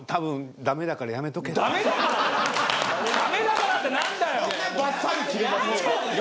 「ダメだから」って何だよ！